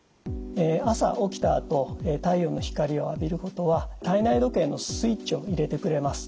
朝起きたあと太陽の光を浴びることは体内時計のスイッチを入れてくれます。